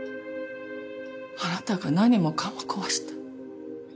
あなたが何もかも壊した。